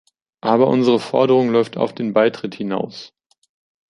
Aber unsere Forderung läuft auf den Beitritt hinaus.